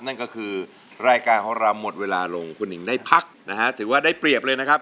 นั่นก็คือรายการของเราหมดเวลาลงคุณหิงได้พักนะฮะถือว่าได้เปรียบเลยนะครับ